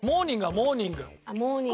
モーニング。